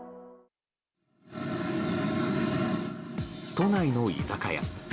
都内の居酒屋。